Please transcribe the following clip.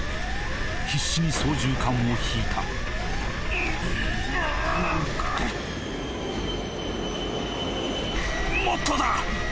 必死に操縦桿を引いたうーっもっとだ！